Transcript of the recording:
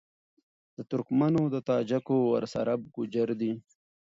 د ترکمــــنــــــو، د تاجـــــــــکــــو، ورســـــره عــــرب گـــوجـــر دي